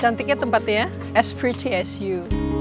cantiknya tempatnya spcs you